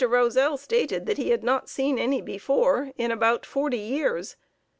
Rosell stated that he had not seen any before in about forty years.